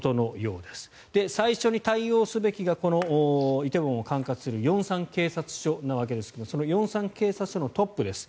最初に対応すべきがこの梨泰院を管轄する龍山警察署のわけですがその龍山警察署のトップです。